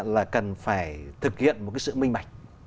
là cần phải thực hiện một cái sự minh bạch